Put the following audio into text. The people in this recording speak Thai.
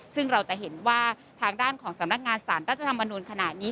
ซึ่งเราจะเห็นว่าทางด้านของสำนักงานสารรัฐธรรมนูลขณะนี้